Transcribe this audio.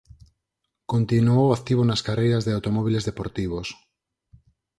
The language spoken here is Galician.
Continuou activo nas carreiras de automóbiles deportivos.